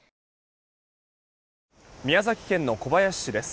宮崎県の小林市です。